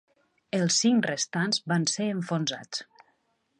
Els cinc restants van ser enfonsats.